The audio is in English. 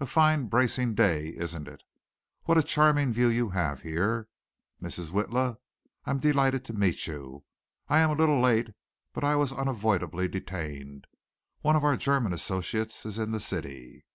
"A fine bracing day, isn't it? What a charming view you have here. Mrs. Witla! I'm delighted to meet you. I am a little late but I was unavoidably detained. One of our German associates is in the city."